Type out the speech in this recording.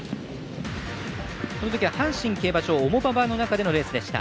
このときは阪神競馬場重馬場の中のレースでした。